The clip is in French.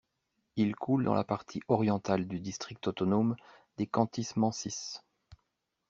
Il coule dans la partie orientale du district autonome des Khantys-Mansis.